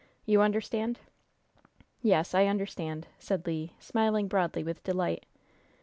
You understand?" "Yes, I understand," said Le, smiling broadly with delight.